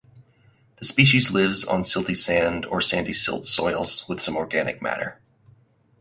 The species lives on silty sand or sandy silt soils with some organic matter.